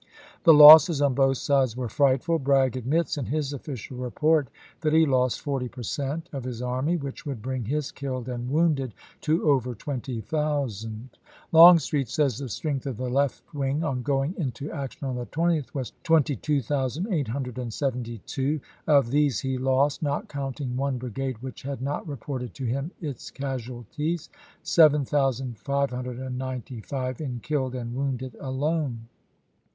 The losses on both sides were frightful. Bragg admits, in his official report, that he lost forty per cent, of his army, which would bring his killed and wounded to over twenty thousand. Longstreet says the strength of the left wing on going into action on the 20th was 22,872 ; of these he lost (not counting one brigade which had not reported to him its casualties), 7595 in killed and wounded alone.